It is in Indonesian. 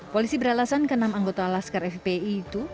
polisi beralasan ke enam anggota laskar fpi itu